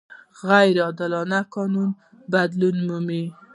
غیر عادلانه قوانین بدلون مومي.